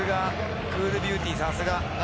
クールビューティー、さすが。